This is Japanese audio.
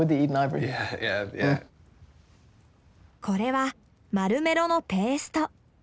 これはマルメロのペースト。